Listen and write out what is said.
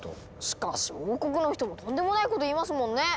しかし王国の人もとんでもないこと言いますもんね！